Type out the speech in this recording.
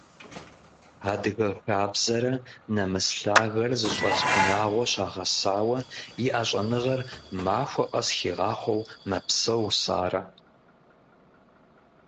Адыгэ хабзэрэ нэмыс лъагэрэ зыщӏэлъ унагъуэ щагъэсауэ, иӏэ щӏэныгъэр махуэ къэс хигъахъуэу мэпсэу Сарэ.